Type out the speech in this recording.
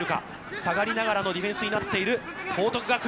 下がりながらのディフェンスになっている報徳学園。